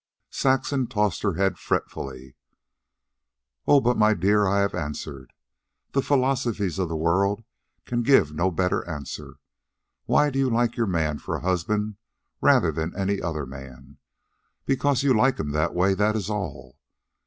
Saxon tossed her head fretfully. "Oh, but my dear, I have answered. The philosophies of the world can give no better answer. Why do you like your man for a husband rather than any other man? Because you like him that way, that is all.